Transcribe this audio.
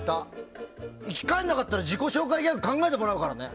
生き返らなかったら自己紹介ギャグ考えてもらうからね。